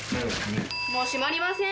もう閉まりません。